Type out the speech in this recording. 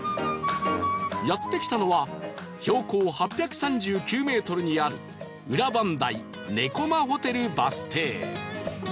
やって来たのは標高８３９メートルにある裏磐梯猫魔ホテルバス停